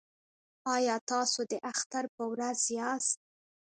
ایا تاسو د اختر په ورځ یاست؟